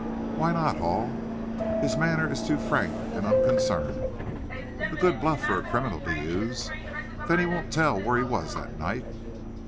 "Why not Hall?" "His manner is too frank and unconcerned." "A good bluff for a criminal to use." "Then he won't tell where he was that night."